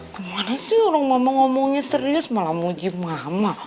kemana sih orang mama ngomongnya serius malah menguji mama